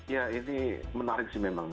ya ini menarik sih memang